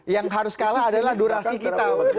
yang harus kalah adalah durasi kita